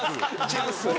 チャンス。